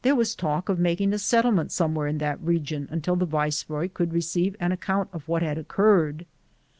There was talk of making a settlement some where in that region until the viceroy could receive an account of what had occurred.